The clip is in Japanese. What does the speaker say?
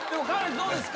どうですか？